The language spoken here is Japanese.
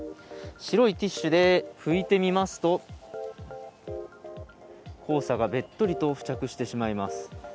白いティッシュで拭いてみますと黄砂がべっとりと付着してしまいます。